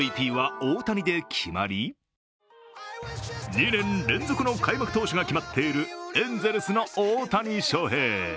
２年連続の開幕投手が決まっているエンゼルスの大谷翔平。